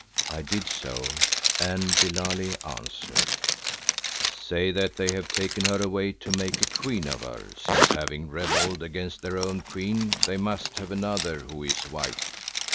I did so, and Billali answered, "Say that they have taken her away to make a queen of her, since having rebelled against their own queen, they must have another who is white.